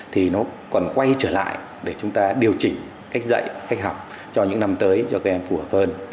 thì nó còn quay trở lại để chúng ta điều chỉnh cách dạy cách học cho những năm tới cho các em phù hợp hơn